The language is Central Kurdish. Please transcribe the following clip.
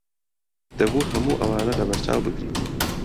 دەبوو هەموو ئەوانە لەبەرچاو بگریت.